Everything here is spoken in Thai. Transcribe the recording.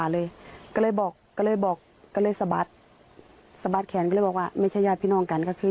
แล้วไม่ใช่ญาติพี่น้องกันก็คือ